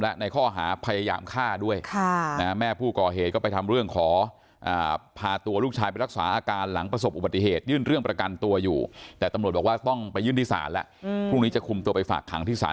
และในข้อหาพยายามฆ่าด้วยค่ะนะฮะแม่ผู้ก่อเหตุก็ไป